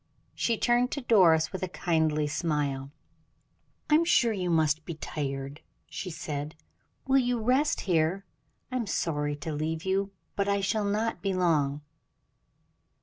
She turned to Doris, with a kindly smile: "I am sure you must be tired," she said; "will you rest here? I am sorry to leave you, but I shall not be long."